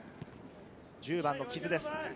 １０番の木津です。